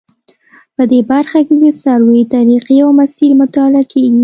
په دې برخه کې د سروې طریقې او مسیر مطالعه کیږي